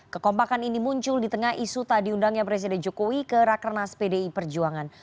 kekompakan ini muncul di tengah isu tak diundangnya presiden jokowi ke rakernas pdi perjuangan